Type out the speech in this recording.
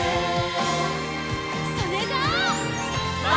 それじゃあ。